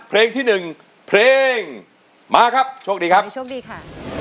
เพลงที่หนึ่งเพลงมาครับโชคดีครับโชคดีค่ะ